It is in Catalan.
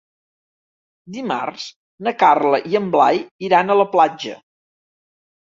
Dimarts na Carla i en Blai iran a la platja.